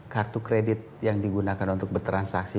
kartu kredit yang digunakan untuk bertransaksi